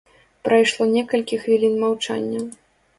Прайшло некалькі хвілін маўчання.